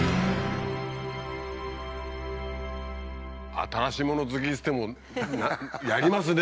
新しもの好きにしてもやりますね。